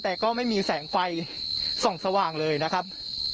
แต่ก็ไม่มีแสงไฟส่องสว่างเลยนะครับ